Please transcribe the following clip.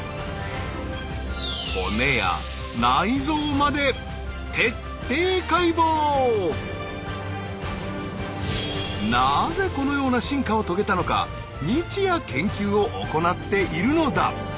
それが地球上のなぜこのような進化を遂げたのか日夜研究を行っているのだ。